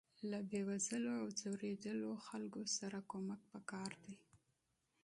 له بې وزلو او ځورېدلو وګړو سره مرسته پکار ده.